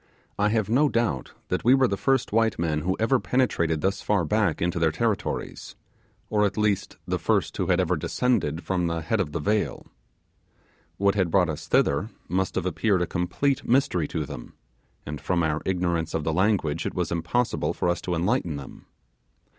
I have no doubt that we were the first white men who ever penetrated thus far back into their territories, or at least the first who had ever descended from the head of the vale. What had brought us thither must have appeared a complete mystery to them, and from our ignorance of the language it was impossible for us to enlighten them.